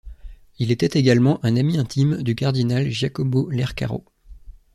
Il était également un ami intime du cardinal Giacomo Lercaro.